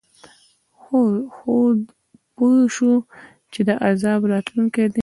خو هود پوه شو چې دا عذاب راتلونکی دی.